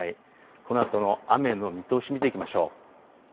このあとの雨の見通し見ていきましょう。